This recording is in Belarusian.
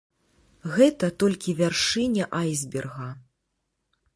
Гэта толькі вяршыня айсберга.